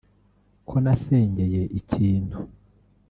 ko nasengeye ikintu